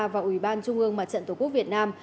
và ủy ban trung ương mặt trận tổ quốc việt nam